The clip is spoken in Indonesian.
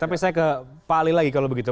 tapi saya ke pak ali lagi kalau begitu